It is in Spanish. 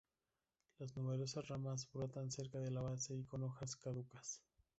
Las numerosas ramas brotan cerca de la base y con hojas caducas.